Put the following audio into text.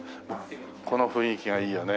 この雰囲気がいいよね。